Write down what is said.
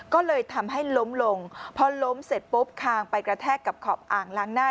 ก็เลยทำให้ล้มลงพอล้มเสร็จปุ๊บคางไปกระแทกกับขอบอ่างล้างหน้า